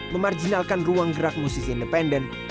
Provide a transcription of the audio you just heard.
memarjinalkan ruang gerak musisi independen